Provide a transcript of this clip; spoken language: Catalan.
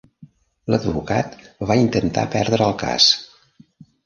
L'advocat va intentar perdre el cas.